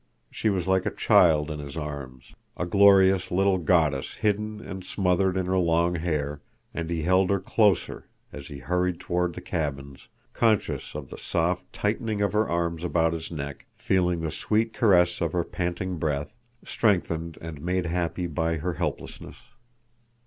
She was like a child in his arms, a glorious little goddess hidden and smothered in her long hair, and he held her closer as he hurried toward the cabins, conscious of the soft tightening of her arms about his neck, feeling the sweet caress of her panting breath, strengthened and made happy by her helplessness.